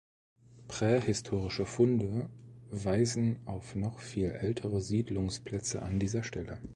Prähistorische Funde weisen auf noch viel ältere Siedlungsplätze an dieser Stelle.